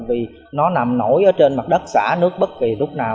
vì nó nằm nổi ở trên mặt đất xả nước bất kỳ lúc nào